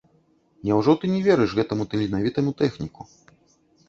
Няўжо ты не верыш гэтаму таленавітаму тэхніку?